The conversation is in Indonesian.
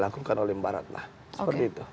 dilakukan oleh barat seperti itu